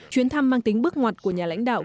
chuyến thăm mang tính bước ngoặt của nhà lãnh đạo